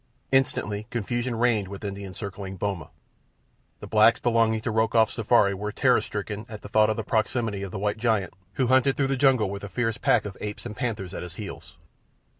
Instantly confusion reigned within the encircling boma. The blacks belonging to Rokoff's safari were terror stricken at the thought of the proximity of the white giant who hunted through the jungle with a fierce pack of apes and panthers at his heels.